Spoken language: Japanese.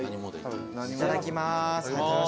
いただきます。